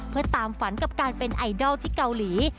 เพื่อตามฝันกับการเป็นไอดอลที่เกาหลี